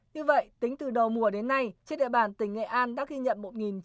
như vậy tính từ đầu mùa đến nay trên địa bàn tỉnh nghệ an đã ghi nhận